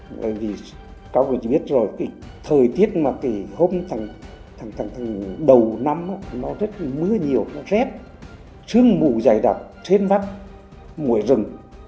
bởi vì các quý vị biết rồi cái thời tiết mà cái hôm tháng tháng tháng đầu năm nó rất mưa nhiều nó rét trương mù dày đặc trên vắt mùi rừng